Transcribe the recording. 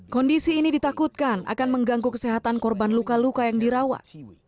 kondisi ini ditakutkan akan mengganggu kesehatan korban luka luka yang dirawat